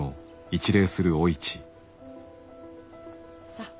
さあ。